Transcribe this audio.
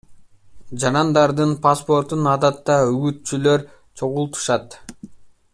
Жарандардын паспортун адатта үгүтчүлөр чогултушат.